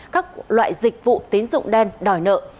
các loại dịch vụ tín dụng đen đòi nợ